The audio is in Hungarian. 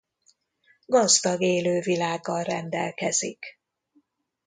Gazdag élővilággal rendelkezik.